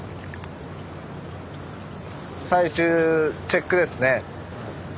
最終チェックですね。